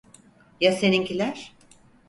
Ya seninkiler?